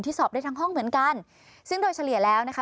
สอบได้ทั้งห้องเหมือนกันซึ่งโดยเฉลี่ยแล้วนะคะ